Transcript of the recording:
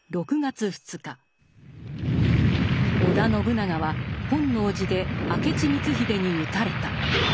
織田信長は本能寺で明智光秀に討たれた。